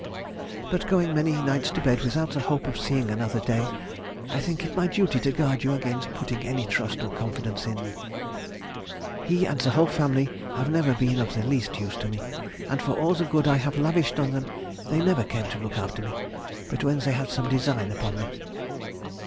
But going many nights to bed without the hope of seeing another day, I think it my duty to guard you against putting any trust or confidence in ——. He and the whole family have never been of the least use to me; and for all the good I have lavished on them, they never came to look after me, but when they had some design upon me.